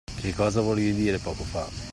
Che cosa volevi dire poco fa?